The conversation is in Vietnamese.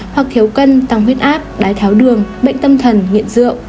hoặc thiếu cân tăng huyết áp đái tháo đường bệnh tâm thần nghiện rượu